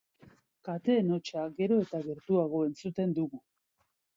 Kateen hotsa gero eta gertuago entzuten dugu.